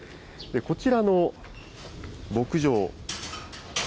こちらの牧場。